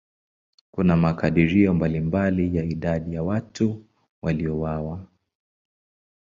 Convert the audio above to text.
Kuna makadirio mbalimbali ya idadi ya watu waliouawa.